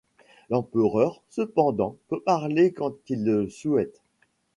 L’empereur, cependant, peut parler quand il le souhaite.